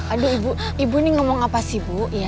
aduh ibu ini ngomong apa sih bu